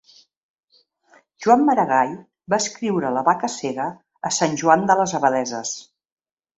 Joan Maragall va escriure la vaca cega a Sant Joan de les Abadesses.